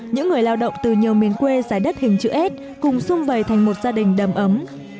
những người lao động từ nhiều miền quê giải đất hình chữ s cùng xung vầy thành một gia đình đầm ấm